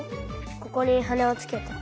ここにはねをつけた。